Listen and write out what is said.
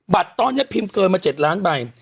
บัตรตอนนี้พิมพ์เกินมา๗ล้านใบ